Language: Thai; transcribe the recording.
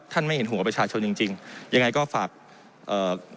ไม่เห็นหัวประชาชนจริงจริงยังไงก็ฝากเอ่อ